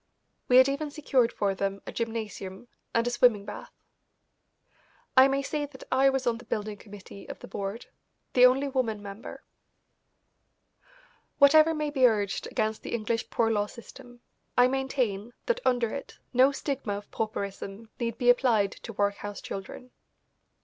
We had even secured for them a gymnasium and a swimming bath. I may say that I was on the building committee of the board, the only woman member. Whatever may be urged against the English Poor Law system, I maintain that under it no stigma of pauperism need be applied to workhouse children.